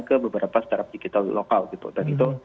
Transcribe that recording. ke beberapa startup digital lokal gitu dan itu